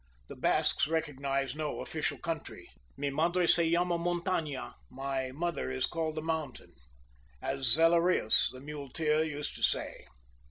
The Basques recognize no official country. Mi madre se llama Montaña, my mother is called the mountain, as Zalareus, the muleteer, used to say.